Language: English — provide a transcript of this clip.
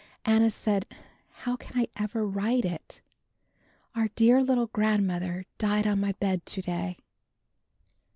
Anna says, "How can I ever write it? Our dear little Grandmother died on my bed to day."